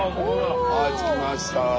はい着きました。